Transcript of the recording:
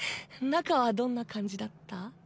中はどんな感じだった？